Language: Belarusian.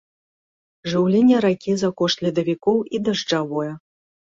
Жыўленне ракі за кошт ледавікоў і дажджавое.